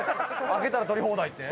開けたら取り放題って？